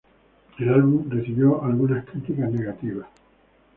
El álbum recibió algunas críticas negativas.